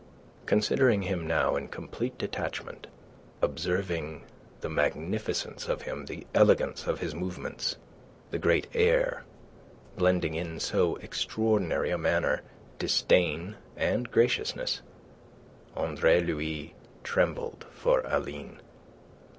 Considering him now in complete detachment, observing the magnificence of him, the elegance of his movements, the great air, blending in so extraordinary a manner disdain and graciousness, Andre Louis trembled for Aline.